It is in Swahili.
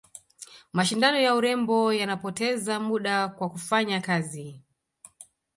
mashindano ya urembo yanapoteza muda wa kufanya kazi